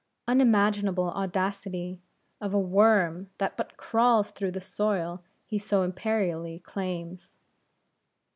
Unimaginable audacity of a worm that but crawls through the soil he so imperially claims!